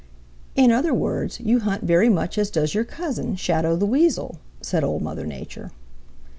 "In other words, you hunt very much as does your cousin, Shadow the Weasel," said Old Mother Nature.